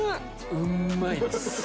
うんまいです。